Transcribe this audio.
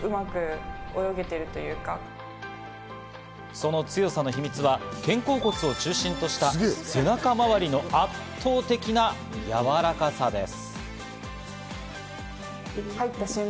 その強さの秘密は肩甲骨を中心とした背中周りの圧倒的なやわらかさです。